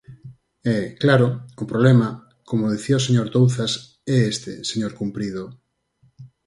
E, claro, o problema, como dicía o señor Touzas, é este, señor Cumprido.